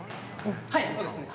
はい、そうですね。